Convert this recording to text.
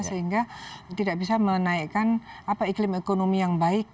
sehingga tidak bisa menaikkan iklim ekonomi yang baik